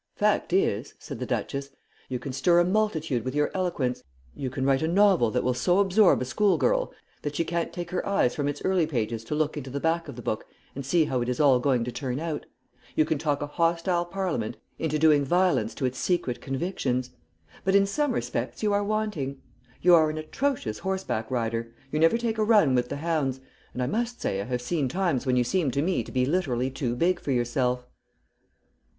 Fact is," said the Duchess, "you can stir a multitude with your eloquence; you can write a novel that so will absorb a school girl that she can't take her eyes from its early pages to look into the back of the book and see how it is all going to turn out; you can talk a hostile parliament into doing violence to its secret convictions; but in some respects you are wanting. You are an atrocious horse back rider, you never take a run with the hounds, and I must say I have seen times when you seemed to me to be literally too big for yourself."